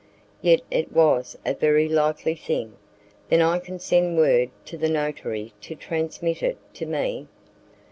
"Yet it was a very likely thing. Then I can send word to the notary to transmit it to me?"